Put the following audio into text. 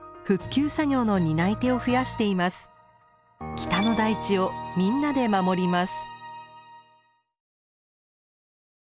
北の大地をみんなで守ります。